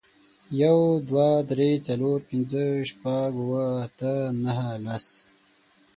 یو، دوه، درې، څلور، پنځه، شپږ، اوه، اته، نهه، لس.